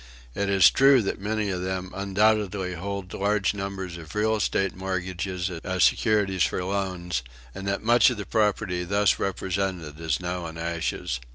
It is true that many of them undoubtedly hold large numbers of real estate mortgages as securities for loans, and that much of the property thus represented is now in ashes.